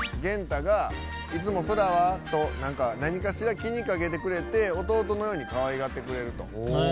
ゲンタがいつも「ソラは？」となにかしら気にかけてくれて弟のようにかわいがってくれると。